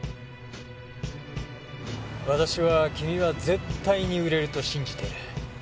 わたしは君は絶対に売れると信じてる。